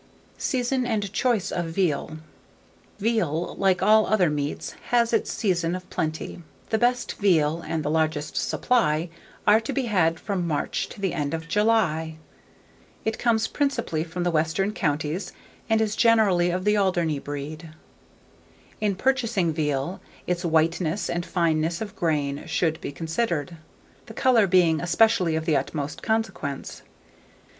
SEASON AND CHOICE OF VEAL. Veal, like all other meats, has its season of plenty. The best veal, and the largest supply, are to be had from March to the end of July. It comes principally from the western counties, and is generally of the Alderney breed. In purchasing veal, its whiteness and fineness of grain should be considered, the colour being especially of the utmost consequence.